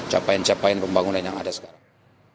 cepain cepain pembangunan yang ada sekarang